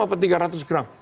atau tiga ratus gram